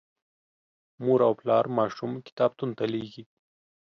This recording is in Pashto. مور او پلار ماشوم کتابتون ته لیږي.